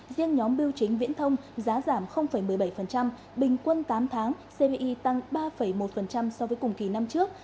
riêng nhóm biêu chính viễn thông giá giảm một mươi bảy bình quân tám tháng cbi tăng ba một so với cùng kỳ năm trước